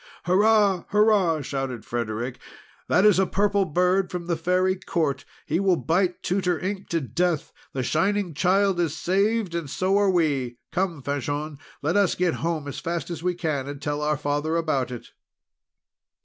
"Hurrah! Hurrah!" shouted Frederic. "That is a Purple Bird from the Fairy Court! He will bite Tutor Ink to death! The Shining Child is saved! and so are we! Come, Fanchon, let us get home as fast as we can, and tell our father about it."